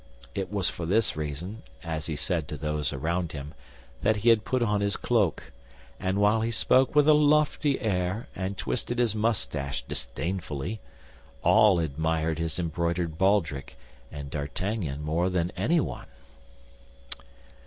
It was for this reason, as he said to those around him, that he had put on his cloak; and while he spoke with a lofty air and twisted his mustache disdainfully, all admired his embroidered baldric, and D'Artagnan more than anyone.